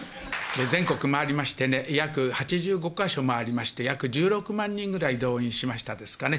全国を回りましてね、約８５か所回りまして、約１６万人ぐらい動員しましたですかね。